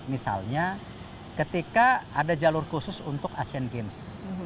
misalnya ketika ada jalur khusus untuk asian games